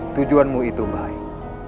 tujuanmu itu baik